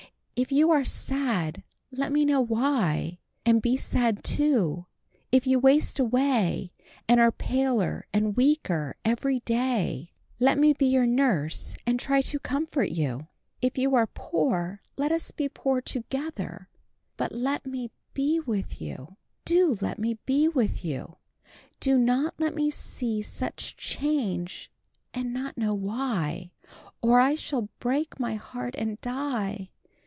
"If you are sad, let me know why, and be sad too; if you waste away, and are paler and weaker every day, let me be your nurse and try to comfort you. If you are poor, let us be poor together; but let me be with you, do let me be with you. Do not let me see such change and not know why, or I shall break my heart and die.